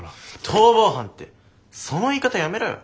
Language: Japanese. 逃亡犯ってその言い方やめろよ。